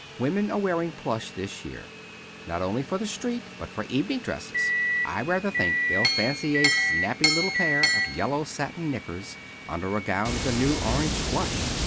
Women are wearing plush this year. Not only for the street, but for evening dresses. I rather think they'll fancy a snappy little pair of yellow satin knickers under a gown of the new orange plush.